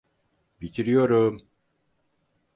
Bitiriyorum.